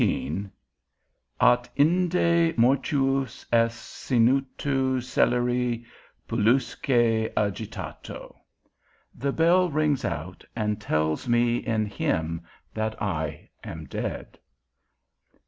AT INDE MORTUUS ES, SONITU CELERI, PULSUQUE AGITATO. _The bell rings out, and tells me in him, that I am dead.